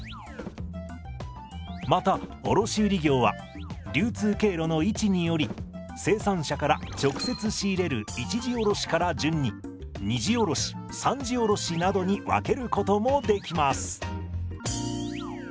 また卸売業は流通経路の位置により生産者から直接仕入れる一次卸から順に二次卸三次卸などに分けることもできます。